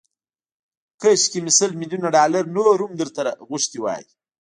کاشکي مې سل ميليونه ډالر نور هم درنه غوښتي وای